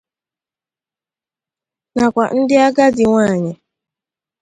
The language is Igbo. nakwa ndị agadi nwaanyị.